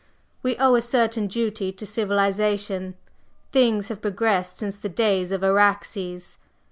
We owe a certain duty to civilization; things have progressed since the days of Araxes."